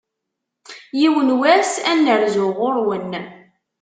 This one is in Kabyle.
Yiwen wass, ad n-rzuɣ ɣur-wen.